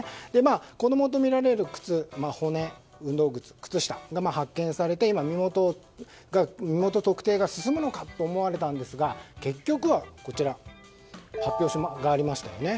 子供とみられる骨運動靴、靴下が発見されて、今、身元特定が進むのかと思われたんですが結局は、発表がありましたよね。